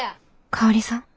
香里さん